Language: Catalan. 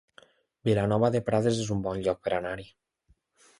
Vilanova de Prades es un bon lloc per anar-hi